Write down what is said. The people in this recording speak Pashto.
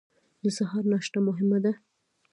د سهار ناشته مهمه ده